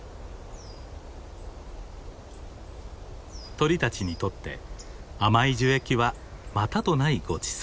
鳥たちにとって甘い樹液はまたとないごちそう。